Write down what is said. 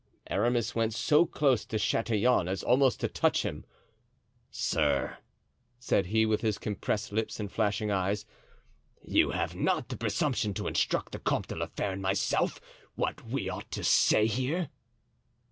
Aramis went so close to Chatillon as almost to touch him. "Sir," said he, with compressed lips and flashing eyes, "you have not the presumption to instruct the Comte de la Fere and myself what we ought to say here?"